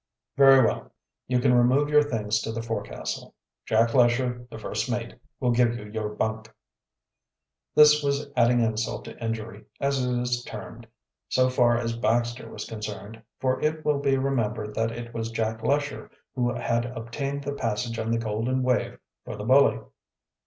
"Very well, you can remove your things to the forecastle. Jack Lesher, the first mate, will give you your bunk." This was "adding insult to injury," as it is termed, so far as Baxter was concerned, for it will be remembered that it was Jack Lesher who had obtained the passage on the Golden Wave for the bully.